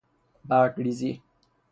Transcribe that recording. برگ ریزی